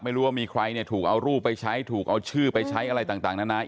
ไม่รู้ว่ามีใครเนี่ยถูกเอารูปไปใช้ถูกเอาชื่อไปใช้อะไรต่างนานา